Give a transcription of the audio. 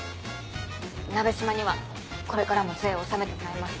「なべしま」にはこれからも税を納めてもらいます。